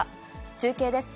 中継です。